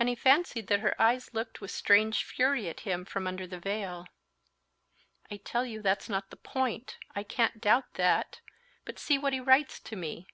And he fancied that her eyes looked with strange fury at him from under the veil. "I tell you that's not the point—I can't doubt that; but see what he writes to me.